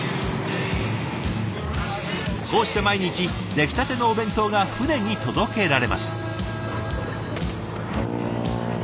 こうして毎日できたてのお弁当が船に届けられます。